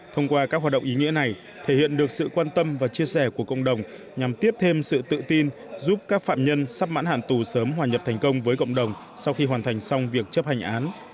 thông qua các hoạt động ý nghĩa này thể hiện được sự quan tâm và chia sẻ của cộng đồng nhằm tiếp thêm sự tự tin giúp các phạm nhân sắp mãn hạn tù sớm hòa nhập thành công với cộng đồng sau khi hoàn thành xong việc chấp hành án